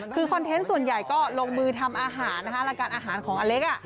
คือคอนเทนต์ส่วนใหญ่ก็ลงมือทำอาหารนะคะรายการอาหารของอเล็ก